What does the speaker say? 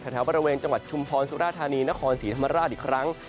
แถวบริเวณจังหวัดชุมพรสุราธานีนครศรีธรรมราชอีกครั้ง